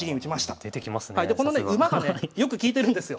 でこのね馬がねよく利いてるんですよ。